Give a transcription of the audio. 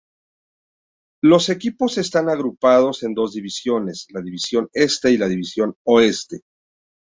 Los equipos están agrupados en dos divisiones; la División Este y la División Oeste.